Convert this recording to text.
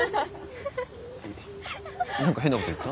何か変なこと言った？